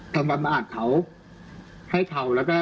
พี่สาวอายุ๗ขวบก็ดูแลน้องดีเหลือเกิน